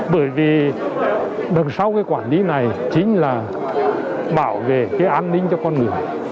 bởi vì đằng sau cái quản lý này chính là bảo vệ cái an ninh cho con người